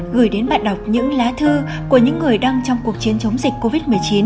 gửi đến bạn đọc những lá thư của những người đang trong cuộc chiến chống dịch covid một mươi chín